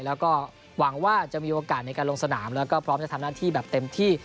แล้วก็หวังว่าจะมีโอกาสในการลงสนามแล้วก็พร้อมจะทำหน้าที่แบบเต็มที่